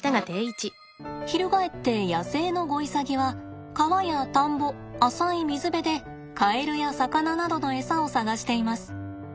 翻って野生のゴイサギは川や田んぼ浅い水辺でカエルや魚などのエサを探しています。